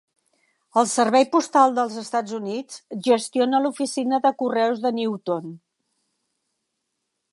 El Servei Postal dels Estats Units gestiona l'oficina de correus de Newton.